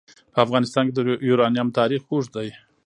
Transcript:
په افغانستان کې د یورانیم تاریخ اوږد دی.